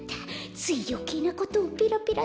ついよけいなことをペラペラと。